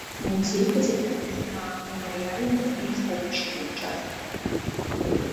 Музей падзяляецца на мемарыяльную і гістарычную часткі.